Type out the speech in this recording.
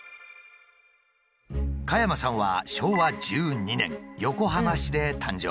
加山さんは昭和１２年横浜市で誕生。